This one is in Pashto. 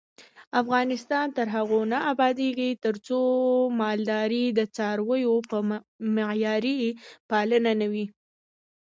افغانستان تر هغو نه ابادیږي، ترڅو مالداري د څارویو په معیاري پالنه نه وي.